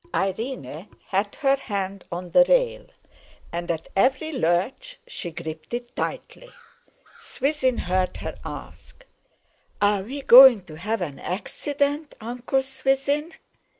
Irene had her hand on the rail, and at every lurch she gripped it tightly. Swithin heard her ask: "Are we going to have an accident, Uncle Swithin?"